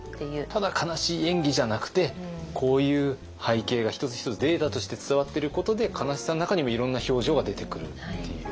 ただ悲しい演技じゃなくてこういう背景が一つ一つデータとして伝わってることで悲しさの中にもいろんな表情が出てくるっていう。